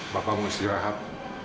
bapak mau istirahat